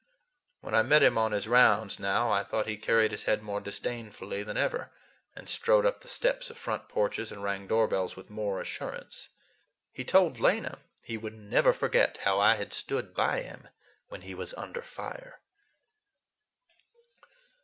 When I met him on his rounds now, I thought he carried his head more disdainfully than ever, and strode up the steps of front porches and rang doorbells with more assurance. He told Lena he would never forget how I had stood by him when he was "under fire."